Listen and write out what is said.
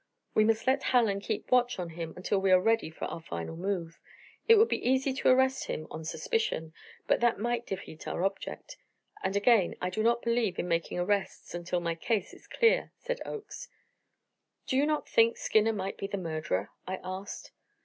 "We must let Hallen keep watch on him until we are ready for our final move. It would be easy to arrest him on suspicion, but that might defeat our object, and, again, I do not believe in making arrests until my case is clear," said Oakes. "Do you not think Skinner might be the murderer?" I asked.